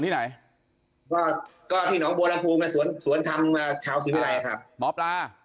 ก็ที่หนองบัวลังภูมิมาสวนทำชาวสุริระยะครับหมอปลา